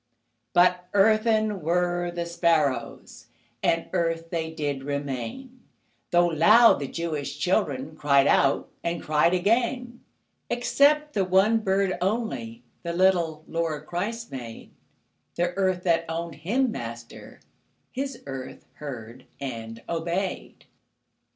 But earthen were the sparrows, And earth they did remain, Though loud the Jewish children Cried out, and cried again. Except the one bird only The little Lord Christ made; The earth that owned Him Master, His earth heard and obeyed.